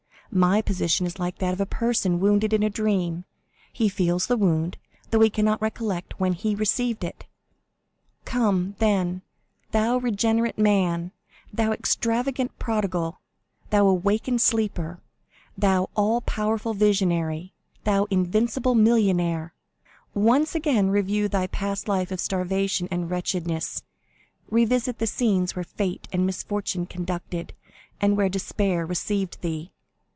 My position is like that of a person wounded in a dream; he feels the wound, though he cannot recollect when he received it. "Come, then, thou regenerate man, thou extravagant prodigal, thou awakened sleeper, thou all powerful visionary, thou invincible millionaire,—once again review thy past life of starvation and wretchedness, revisit the scenes where fate and misfortune conducted, and where despair received thee.